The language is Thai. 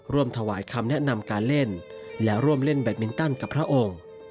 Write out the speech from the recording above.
ร่วมถวายคำแนะนำการเล่นและร่วมเล่นแบตมินตันกับพระองค์